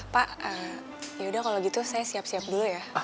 pak yaudah kalau gitu saya siap siap dulu ya